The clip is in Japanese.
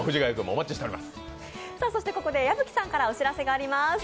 ここで矢吹さんからお知らせがあります。